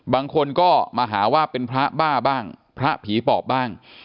บางคนก็มาหาว่าเป็นพระบ้าบ้างพระผีปอบบ้าง